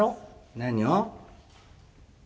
「何を？」。